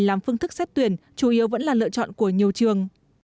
làm phương thức xét tuyển chủ yếu vẫn là lựa chọn của nhiều trường